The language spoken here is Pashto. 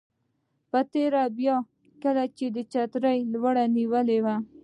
په تېره بیا کله چې دې چترۍ لوړه نیولې وه.